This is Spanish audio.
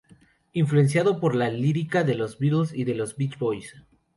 Influenciado por la lírica de los Beatles y de los Beach Boys.